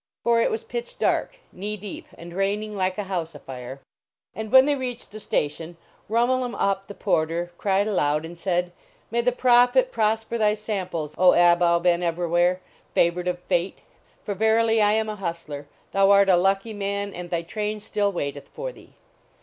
For it was pitch dark, knee deep, and rain ing like a house a fire. 230 THE LEGEND OF THE GOOD DRUM MT II And when they reached the station, Rliuin ul em Uhp the Porter cried aloud and said :" May the Profit prosper thy samples, O Abou Ben Evrawhair, favored of Fate ! For verily I am a hustler, thou art a lucky man, and thy train still waiteth for thce